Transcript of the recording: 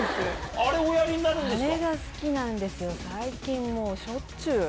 あれが好きなんですよ、最近もう、しょっちゅう。